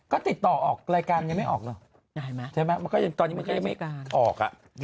ก็ติดต่อออกรายการยังไม่ออกหรอก